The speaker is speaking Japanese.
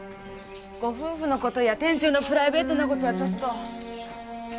ご夫婦の事や店長のプライベートな事はちょっと。